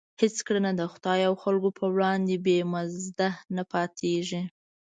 هېڅ کړنه د خدای او خلکو په وړاندې بې مزده نه پاتېږي.